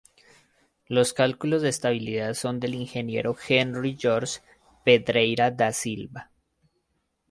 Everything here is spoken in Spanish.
Los cálculos de estabilidad son del ingeniero Henrique Jorge Pedreira da Silva.